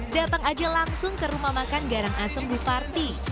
datang aja langsung ke rumah makan garang asem buparti